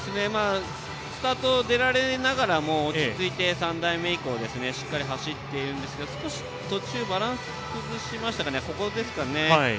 スタート、出られながらも落ち着いて３台目以降しっかり走っているんですが少し途中でバランスを崩しましたかね。